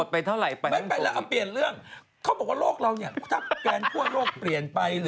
ไปเข้าช่วงชีวิตไป